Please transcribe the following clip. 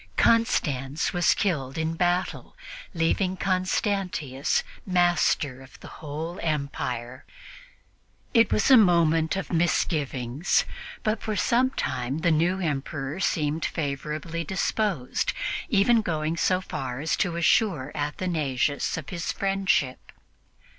Constans was killed in battle, leaving Constantius master of the whole empire. It was a moment for misgivings; but for some time the new Emperor seemed favorably disposed, even going so far as to assure Athanasius of his friendship.